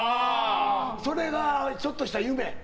それがちょっとした夢。